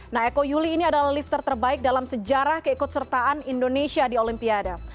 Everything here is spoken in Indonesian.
nah eko yuli ini adalah lifter terbaik dalam sejarah keikutsertaan indonesia di olimpiade